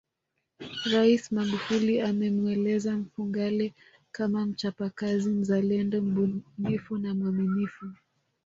Rais Magufuli amemueleza Mfugale kama mchapakazi mzalendo mbunifu na mwaminifu